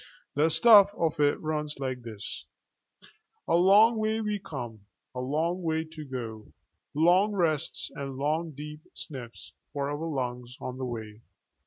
The stuff of it runs like this:A long way we come; a long way to go; long rests and long deep sniffs for our lungs on the way.